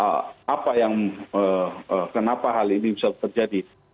dan tentu saja ini juga sebagai anggota bdip tentu kita bisa melihat kenapa hal ini bisa terjadi